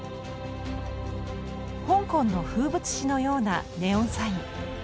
香港の風物詩のようなネオンサイン。